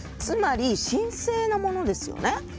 つまり神聖なものですよね。